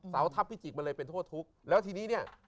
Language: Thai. เสาทัพพิจิกมันเลยเป็นโทษทุกข์แล้วทีนี้เนี่ย